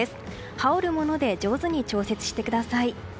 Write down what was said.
羽織るもので上手に調節してください。